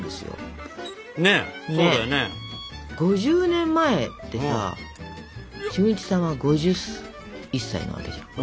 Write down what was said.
５０年前ってさ俊一さんは５１歳なわけじゃん。